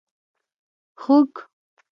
🐖 خوګ